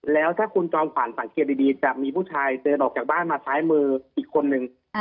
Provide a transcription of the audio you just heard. แล้วถ้าคุณจอมขวัญสังเกตดีจะมีผู้ชายเดินออกจากบ้านมาซ้ายมืออีกคนนึง